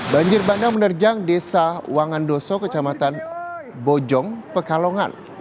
banjir bandang menerjang desa wangandoso kecamatan bojong pekalongan